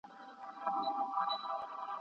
زه غواړم خپله څېړنه په خپلواک ډول وکړم.